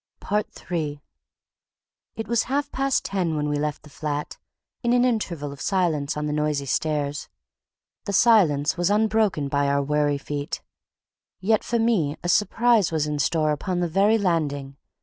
III It was half past ten when we left the flat, in an interval of silence on the noisy stairs. The silence was unbroken by our wary feet. Yet for me a surprise was in store upon the very landing.